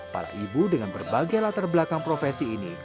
para ibu dengan berbagai latar belakang profesi ini